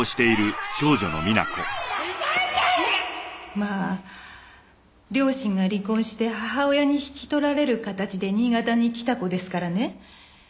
まあ両親が離婚して母親に引き取られる形で新潟に来た子ですからね